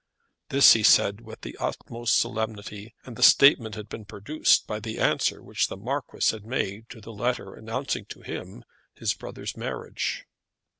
This he said with the utmost solemnity, and the statement had been produced by the answer which the Marquis had made to a letter announcing to him his brother's marriage.